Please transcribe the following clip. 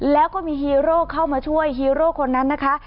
แล้วก็มีฮีโร่เข้ามาช่วยฮีโร่คนนั้นนะคะ